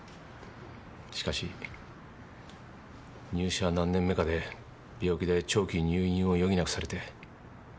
しかし入社何年目かで病気で長期入院を余儀なくされて。